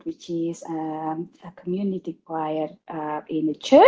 yang merupakan kumpulan komunitas di gereja